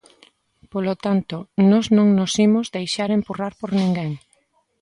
Polo tanto, nós non nos imos deixar empurrar por ninguén.